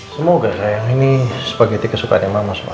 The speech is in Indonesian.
semoga sayang ini spageti kesukaan yang mama suka